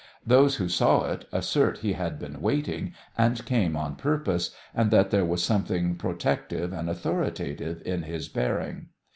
Those who saw it assert he had been waiting, and came on purpose, and that there was something protective and authoritative in his bearing.